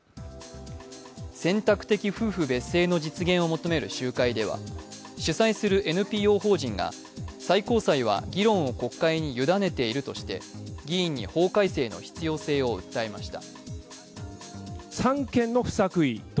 選択的夫婦別姓の実現を求める集会では主催するＮＰＯ法人が最高裁は議論を国会にゆだねているとして議員に法改正の必要性を訴えました。